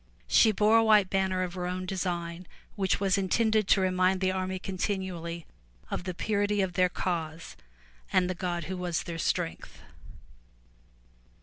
She bore a white banner of her own design which was intended to remind the army continually of the purity of their cause and the God who was their strength.